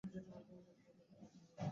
এই-যে, আপনারা এখানে!